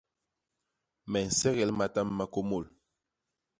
Me nsegel matam ma kômôl.